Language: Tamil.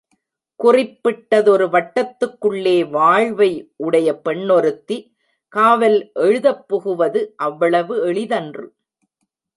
குறிப்பிட்டதொரு வட்டத்துக்குள்ளே வாழ்வை உடைய பெண்ணொருத்தி காவல் எழுதப் புகுவது அவ்வளவு எளிதன்று.